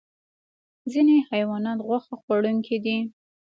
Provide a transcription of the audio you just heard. ځینې حیوانات غوښه خوړونکي دي